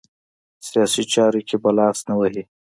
سیاسي چارو کې به لاس نه وهي.